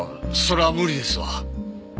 それは無理ですわ。